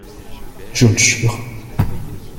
Je le jure !